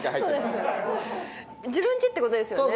自分ちって事ですよね。